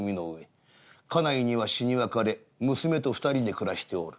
家内には死に別れ娘と二人で暮らしておる。